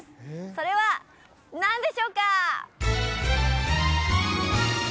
それは何でしょうか？